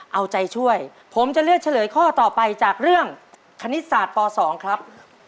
เอาใจช่วยผมจะเลือกเฉลยข้อต่อไปจากเรื่องคณิตศาสตร์ป๒ครับ